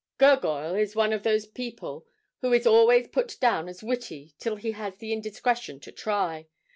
'Gurgoyle is one of those people who is always put down as witty till he has the indiscretion to try.